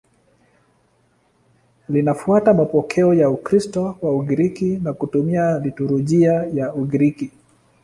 Linafuata mapokeo ya Ukristo wa Ugiriki na kutumia liturujia ya Ugiriki.